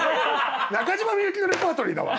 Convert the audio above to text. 中島みゆきのレパートリーだわ！